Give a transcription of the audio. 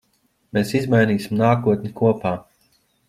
Mēs izmainīsim nākotni kopā.